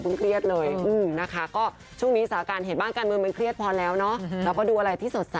อันนี้ก็เป็นกำลังใจให้นะค่ะเดี๋ยวก็พูดลงไปเนอะ